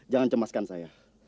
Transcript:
jangan cemaskan saya